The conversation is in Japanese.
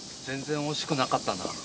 全然惜しくなかったな。